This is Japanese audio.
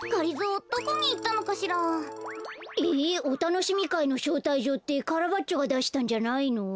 おたのしみかいのしょうたいじょうってカラバッチョがだしたんじゃないの？